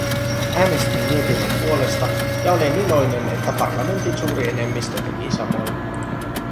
Äänestin mietinnön puolesta ja olen iloinen, että parlamentin suuri enemmistö teki samoin.